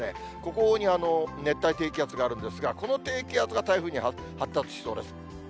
ここに熱帯低気圧があるんですが、この低気圧が台風に発達しそうです。